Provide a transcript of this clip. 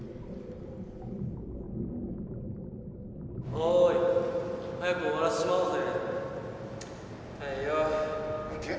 おい早く終わらせちまおうぜ。